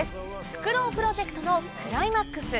フクロウプロジェクトのクライマックス！